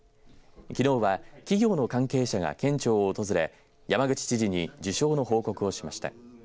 きのうは企業の関係者が県庁を訪れ山口知事に受賞の報告をしました。